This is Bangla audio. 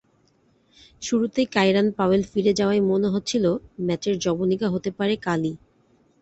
শুরুতেই কাইরান পাওয়েল ফিরে যাওয়ায় মনে হচ্ছিল ম্যাচের যবনিকা হতে পারে কালই।